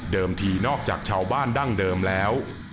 ทีนอกจากชาวบ้านดั้งเดิมแล้ว